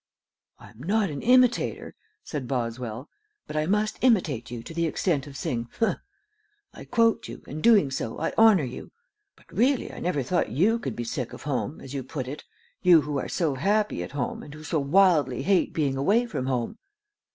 "I am not an imitator," said Boswell, "but I must imitate you to the extent of saying humph! I quote you, and, doing so, I honor you. But really, I never thought you could be sick of home, as you put it you who are so happy at home and who so wildly hate being away from home."